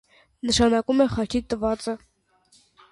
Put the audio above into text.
Նշանակում է «խաչի տվածը»։